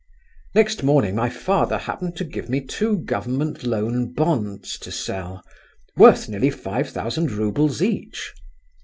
Next morning my father happened to give me two government loan bonds to sell, worth nearly five thousand roubles each.